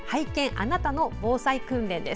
あなたの防災訓練」です。